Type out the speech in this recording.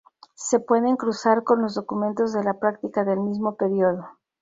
Se pueden cruzar con los documentos de la práctica del mismo período.